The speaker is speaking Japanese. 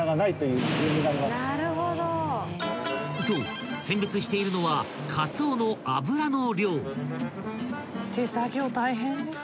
［そう選別しているのはカツオの脂の量］